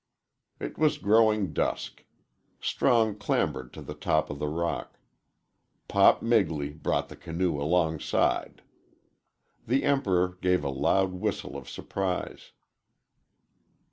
It was growing dusk. Strong clambered to the top of the rock. "Pop" Migley brought the canoe alongside. The Emperor gave a loud whistle of surprise.